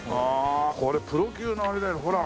ああこれプロ級のあれだよほら。